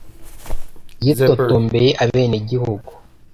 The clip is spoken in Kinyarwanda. Yitotombeye abenegihugu